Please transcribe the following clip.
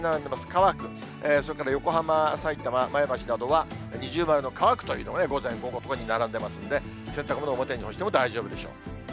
乾く、それから横浜、さいたま、前橋などは二重丸の乾くというのがね、午前、午後とも並んでいますので、洗濯物、表に干しても大丈夫でしょう。